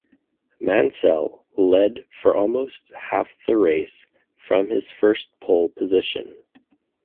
Mansell led for almost half the race from his first pole position.